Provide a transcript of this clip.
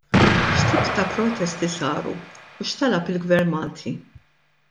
X'tip ta' protesti saru u x'talab il-Gvern Malti?